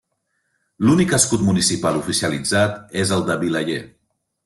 L'únic escut municipal oficialitzat és el de Vilaller.